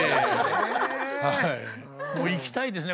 でも行きたいですね